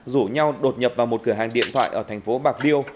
rủ nhau đột nhập vào một cửa hàng điện thoại ở thành phố bạc liêu